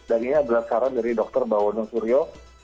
dan ini adalah saran dari dokter bawono suryo